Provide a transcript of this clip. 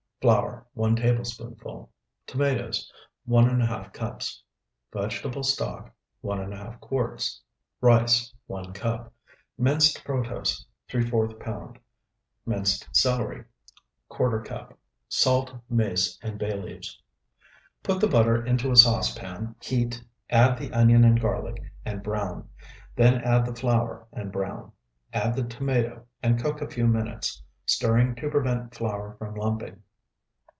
Flour, 1 tablespoonful. Tomatoes, 1½ cups. Vegetable stock, 1½ quarts. Rice, 1 cup. Minced protose, ¾ pound. Minced celery, ¼ cup. Salt, mace, and bay leaves. Put the butter into a saucepan, heat, add the onion and garlic, and brown, then add the flour and brown, add the tomato, and cook a few minutes, stirring to prevent flour from lumping.